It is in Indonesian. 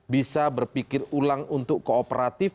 bisa berpikir ulang untuk kooperatif